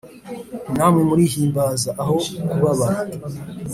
Namwe murihimbaza, aho kubabara